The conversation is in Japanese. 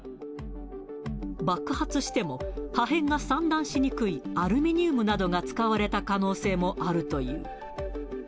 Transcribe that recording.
爆発しても、破片が散乱しにくいアルミニウムなどが使われた可能性もあるという。